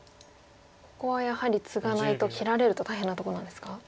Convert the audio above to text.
ここはやはりツガないと切られると大変なとこなんですか？